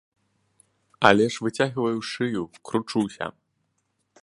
Але ж выцягваю шыю, кручуся.